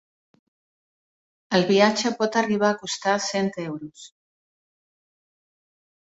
El viatge pot arribar a costar cent euros.